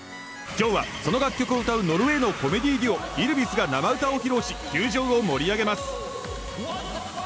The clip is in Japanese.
今日は、その楽曲を歌うノルウェーのデュオが生歌を披露し球場を盛り上げます。